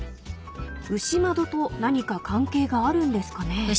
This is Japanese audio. ［牛窓と何か関係があるんですかね］